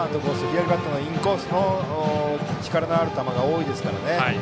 左バッターのインコースへ力のある球が多いですからね。